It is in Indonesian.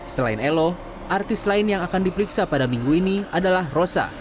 selain elo artis lain yang akan diperiksa pada minggu ini adalah rosa